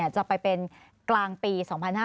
จะไปเป็นกลางปี